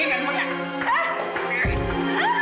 lepaskan handphone ku rizky lepaskan